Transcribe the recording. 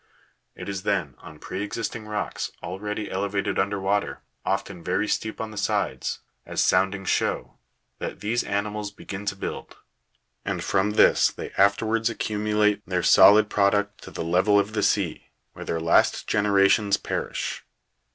It is, then, on pre existing rocks, already elevated under w r ater, often very steep on the sides, as soundings show, that these animals begin to build ; and from this they afterwards accumulate their solid product to the level of the sea, where their last generations perish.